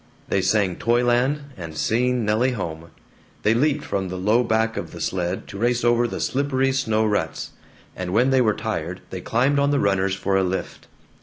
They sang "Toy Land" and "Seeing Nelly Home"; they leaped from the low back of the sled to race over the slippery snow ruts; and when they were tired they climbed on the runners for a lift.